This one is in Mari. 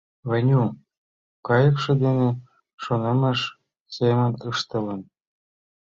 Ваню кайыкше дене шонымыж семын ыштылын.